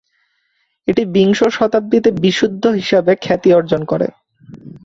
এটি বিংশ শতাব্দীতে বিশুদ্ধ হিসেবে খ্যাতি অর্জন করে।